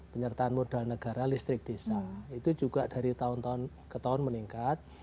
penyertaan modal negara listrik desa itu juga dari tahun tahun ke tahun meningkat